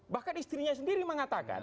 bahkan istrinya sendiri mengatakan